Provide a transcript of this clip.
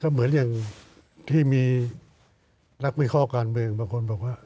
เหมือนอย่างที่มีนักวิเคราะห์การเมืองบางคนบอกว่า